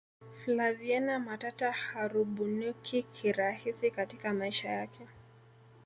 flaviana matata harubuniki kirahisi katika maisha yake